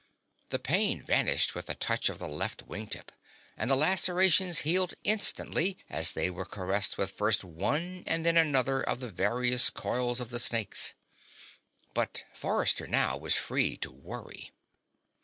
The pain vanished with a touch of the left wingtip, and the lacerations healed instantly as they were caressed with first one and then another of the various coils of the snakes. But Forrester now was free to worry.